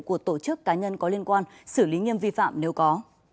của tổ chức cá nhân có liên quan xử lý nghiêm vi phạm nếu có